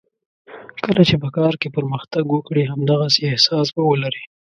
کله چې په کار کې پرمختګ وکړې همدغسې احساس به ولرې.